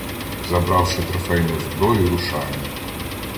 Забравши трофейну зброю, рушаємо.